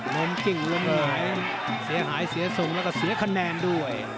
มงกิ้งล้มเหลเสียหายเสียส่งแล้วก็เสียคะแนนด้วย